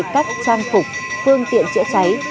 các trang phục phương tiện chữa cháy